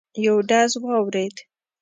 یو ډز واورېد.